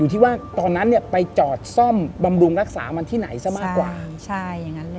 ที่ว่าตอนนั้นเนี่ยไปจอดซ่อมบำรุงรักษามันที่ไหนซะมากกว่าใช่อย่างนั้นเลย